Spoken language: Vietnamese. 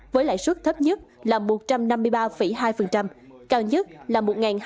với lãi suất thấp nhất là một trăm năm mươi ba hai cao nhất là một hai trăm tám mươi chín sáu mươi bảy